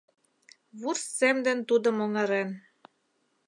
Вурс сем ден тудым оҥарен